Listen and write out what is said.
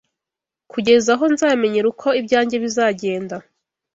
kugeza aho nzamenyera uko ibyanjye bizagenda